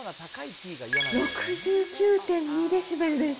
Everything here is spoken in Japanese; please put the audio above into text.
６９．２デシベルです。